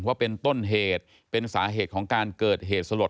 ว่าเป็นต้นเหตุเป็นสาเหตุของการเกิดเหตุสลด